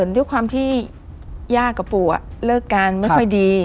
ด้วยความที่ย่ากับปู่เลิกกันไม่ค่อยดี